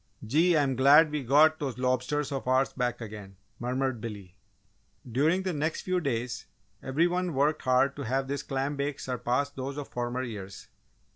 "Gee! I'm glad we got those lobsters of ours back again!" murmured Billy. During the next few days every one worked hard to have this clam bake surpass those of former years.